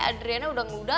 adriana udah ngeluda